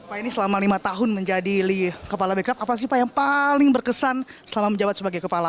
pak ini selama lima tahun menjadi kepala bekraf apa sih pak yang paling berkesan selama menjabat sebagai kepala